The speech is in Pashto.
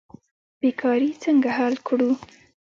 بیکاري څنګه حل کړو؟